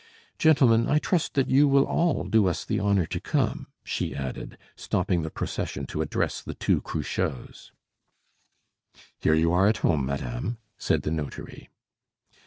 Gentlemen, I trust that you will all do us the honor to come," she added, stopping the procession to address the two Cruchots. "Here you are at home, madame," said the notary.